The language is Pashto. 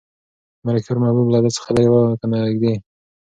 د ملکیار محبوب له ده څخه لرې و که نږدې؟